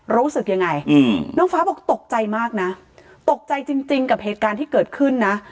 รู้สึกยังไงน้องฟ้าบอกตกใจมากนะตกใจจริงกับเหตุการณ์ที่เกิดขึ้นนะ